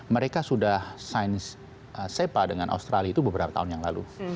mereka sudah science sepa dengan australia itu beberapa tahun yang lalu